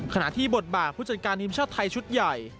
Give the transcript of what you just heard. ขณะที่บทบาทผู้จัดการทีมชาติไทยชุดใหญ่